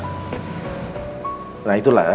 tapi dia gak bikin masalah kan pak